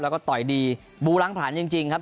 แล้วก็ต่อยดีบูล้างผลาญจริงครับ